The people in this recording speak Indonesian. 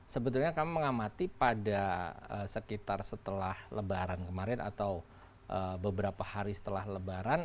sebetulnya kami mengamati pada sekitar setelah lebaran kemarin atau beberapa hari setelah lebaran